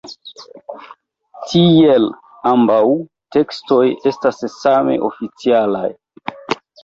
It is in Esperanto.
Tiel ambaŭ tekstoj estas same oficialaj.